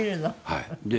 はい。